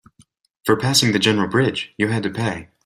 For passing the general bridge, you had to pay.